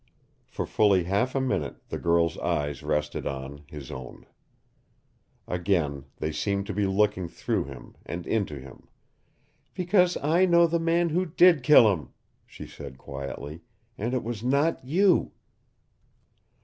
For fully half a minute the girl's eyes rested on, his own. Again they seemed to be looking through him and into him. "Because I know the man who DID kill him," she said quietly, "and it was not you."